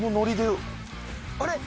あれ？